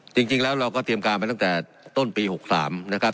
จริงแล้วเราก็เตรียมการมาตั้งแต่ต้นปี๖๓นะครับ